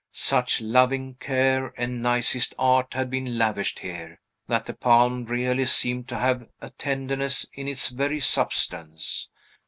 Such loving care and nicest art had been lavished here, that the palm really seemed to have a tenderness in its very substance.